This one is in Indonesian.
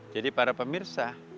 jadi para pemirsa